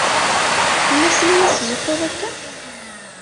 Fell-asen i la tetzuxxuḍ akka?